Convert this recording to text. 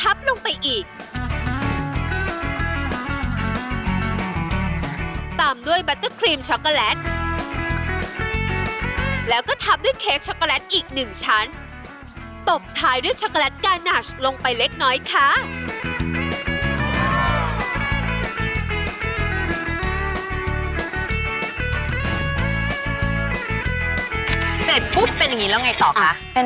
เอาอะไรมาทำนะคะถึงไม่เป็น